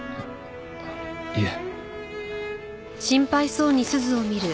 いえ。